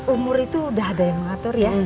umur itu udah ada yang mengatur ya